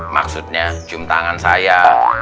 maksudnya cium tangan saya